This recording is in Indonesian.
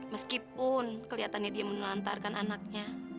meskipun kelihatannya dia menelantarkan anaknya